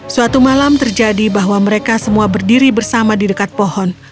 suatu malam terjadi bahwa mereka semua berdiri bersama di dekat pohon